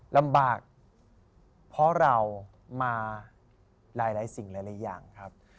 ลำบากเพราะเรามาหลายสิ่งหลายอย่างครับ